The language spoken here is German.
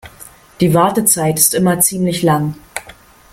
Die Wartezeit ist immer ziemlich lang.